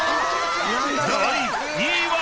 ［第２位は］